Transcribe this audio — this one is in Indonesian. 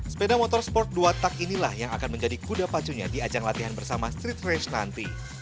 sepeda motor sport dua tak inilah yang akan menjadi kuda pacunya di ajang latihan bersama street range nanti